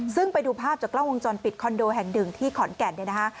ซึ่งไปดูภาพจากกล้องวงจรปิดคอนโดแห่งหนึ่งที่ขอนแก่นเนี่ยนะคะ